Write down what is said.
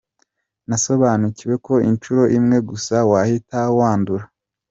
Nasobanukiwe ko inshuro imwe gusa wahita wandura.